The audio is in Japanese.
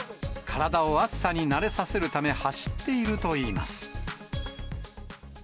体を暑さに慣れさせるため、走っているといいます。